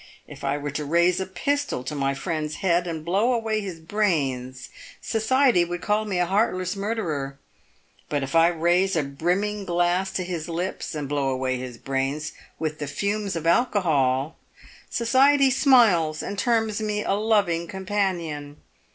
If I were to raise a pistol to my friend's head and blow away his brains, society w r ould call me a heartless murderer, but if I raise a brimming glass to his lips and blow away his brains with the fumes of alcohol, society smiles and terms me a loving com panion.